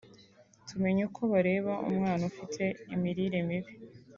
tumenya uko bareba umwana ufite imirire mibi